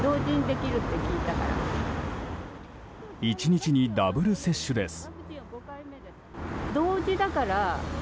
１日に、ダブル接種です。